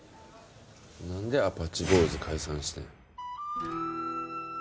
なんでアパッチボーイズ解散してん？